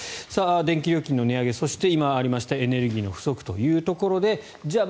電気料金の値上げそして今ありましたエネルギーの不足ということでじゃあ